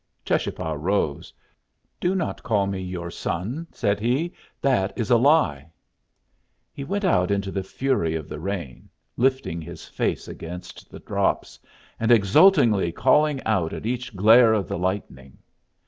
Cheschapah rose. "Do not call me your son," said he. "That is a lie." He went out into the fury of the rain, lifting his face against the drops, and exultingly calling out at each glare of the lightning.